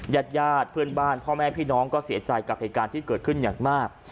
ญาติญาติเพื่อนบ้านพ่อแม่พี่น้องก็เสียใจกับเหตุการณ์ที่เกิดขึ้นอย่างมาก